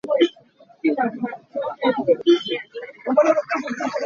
A nupi man ah siapi a man.